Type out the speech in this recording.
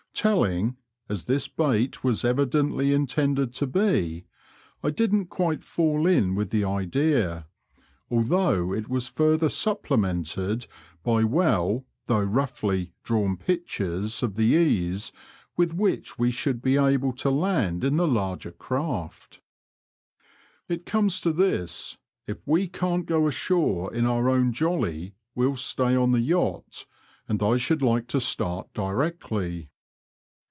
TeUing as this bait was evidently intended to be, I didn't quite fall in with the idea, although it was further supplemented by well (though roaghly) drawn pictures of the ease with which we should be able to land in the larger craft. It comes to this : if we can't go ashore in our own jolly, we'll stay on the yacht, and I should like to start directly."